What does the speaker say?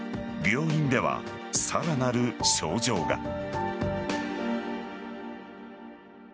病院では、さらなる症状が。